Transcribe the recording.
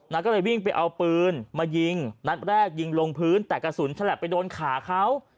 ก็เลยวิ่งไปเอาปืนมายิงนัดแรกยิงลงพื้นแต่กระสุนฉลับไปโดนขาเขา